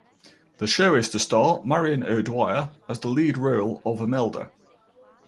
The show is to star Marion O'Dwyer as the lead role of Emelda.